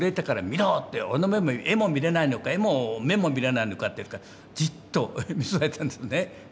「見ろ！」って「俺の目も絵も見れないのか絵も目も見れないのか」って言うからジッと見据えたんですね。